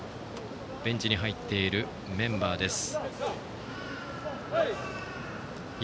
ベンチに入っているメンバーです。